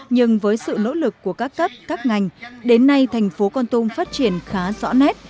nhưng với sự nỗ lực của các cấp các ngành đến nay thành phố con tum phát triển khá rõ nét